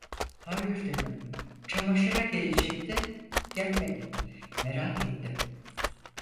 Hayır dedim, "Çamaşıra gelecekti, gelmedi. Merak ettim!"